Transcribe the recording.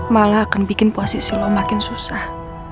malah akan bikin posisi lo makin susah